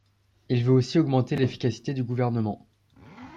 Il veut aussi augmenter l'efficacité du gouvernement.